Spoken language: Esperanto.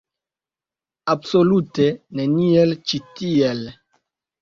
Absolute neniel ĉi tiel.